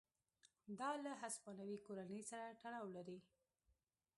دا له هسپانوي کورنۍ سره تړاو لري.